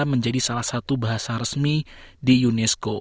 menjadi salah satu bahasa resmi di unesco